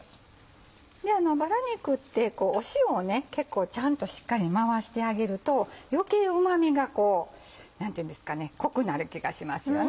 バラ肉って塩を結構ちゃんとしっかり回してあげると余計うま味が濃くなる気がしますよね。